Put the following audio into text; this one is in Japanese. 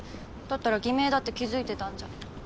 だったら偽名だって気づいてたんじゃ。